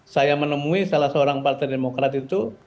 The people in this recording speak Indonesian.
saya menemui salah seorang partai demokrat itu